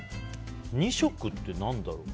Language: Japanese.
２色って何だろう。